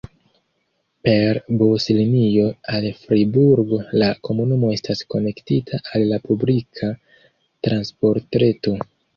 Per buslinio al Friburgo la komunumo estas konektita al la publika transportreto.